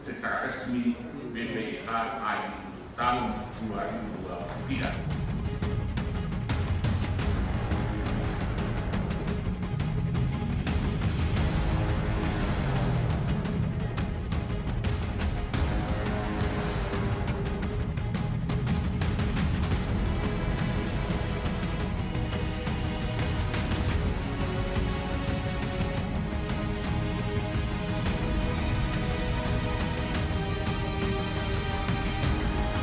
vitaran malta atau p transportation